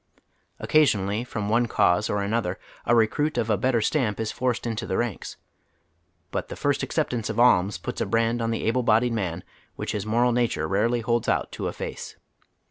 Occasion ally, from one cause or anotJier, a recruit of a better stamp is forced into the ranks ; but the first acceptance of alms puts a brand on the able bodied man which his moral nat ure rarely holds out to efface.